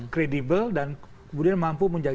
credible dan kemudian mampu menjaga